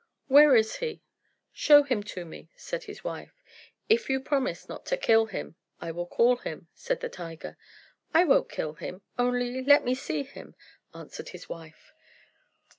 "Where is he? Show him to me," said his wife. "If you promise not to kill him, I will call him," said the tiger. "I won't kill him; only let me see him," answered his wife.